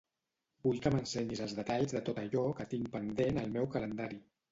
Vull que m'ensenyis els detalls de tot allò que tinc pendent al meu calendari.